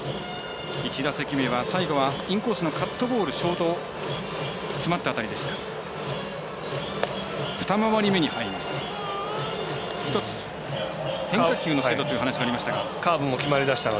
１打席目は最後インコースのカットボール詰まった当たりでした。